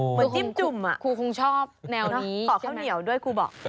เหมือนจิ้มจุ่มอะคุณคงชอบแนวนี้ป่ะข้าวเหนียวด้วยคุณบอก